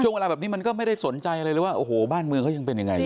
เวลาแบบนี้มันก็ไม่ได้สนใจอะไรเลยว่าโอ้โหบ้านเมืองเขายังเป็นยังไง